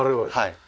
はい。